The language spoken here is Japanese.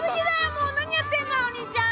もう何やってんだよお兄ちゃん！